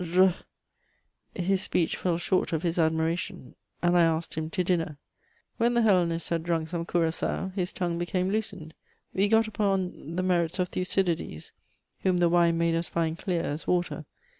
rr...;" his speech fell short of his admiration, and I asked him to dinner. When the hellenist had drunk some curaçao, his tongue became loosened. We got upon the merits of Thucydides, whom the wine made us find clear as water.